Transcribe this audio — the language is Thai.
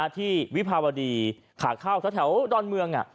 ที่วิภาบดีขาเข้าท้อแถวดอนเมือง